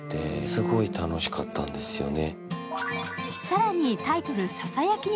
すごい楽しかったんですよね。